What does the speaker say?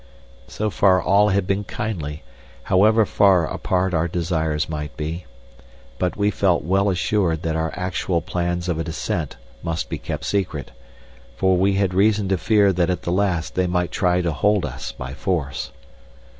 So far all had been kindly, however far apart our desires might be; but we felt well assured that our actual plans of a descent must be kept secret, for we had reason to fear that at the last they might try to hold us by force.